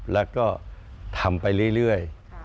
แล้วก็ทำไปเรื่อย